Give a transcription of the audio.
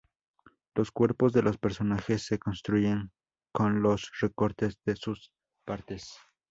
Los cuerpos de los personajes se construyen con los recortes de sus partes.